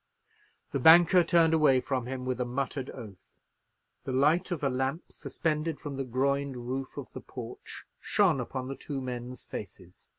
The banker turned away from him with a muttered oath. The light of a lamp suspended from the groined roof of the porch shone upon the two men's faces.